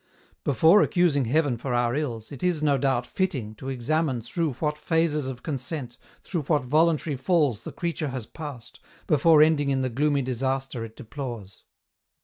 Before accusing heaven for our ills, it is, no doubt, fitting to examine through what phases of consent, through what M EN ROUTE. voluntary falls the creature has passed, before ending in the gloomy disaster it deplores.